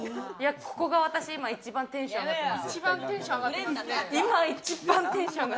ここが私、今一番テンション上がってます。